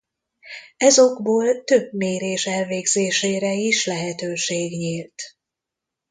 Ez okból több mérés elvégzésére is lehetőség nyílt.